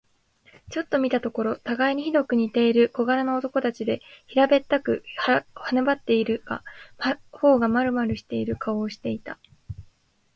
ちょっと見たところ、たがいにひどく似ている小柄な男たちで、平べったく、骨ばってはいるが、頬がまるまるしている顔をしていた。